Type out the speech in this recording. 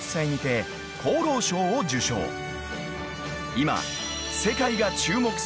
［今］